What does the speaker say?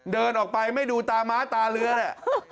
เดินออกไปไม่ดูตาม้าตาเรือเนี่ย